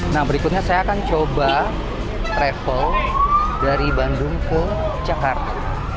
nah berikutnya saya akan coba travel dari bandung ke jakarta